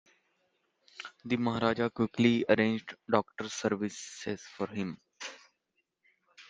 The Maharaja quickly arranged doctor's services for him.